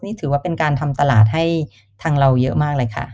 นี่ถือว่าเป็นการทำตลาดให้ทางเราเยอะมากเลยค่ะ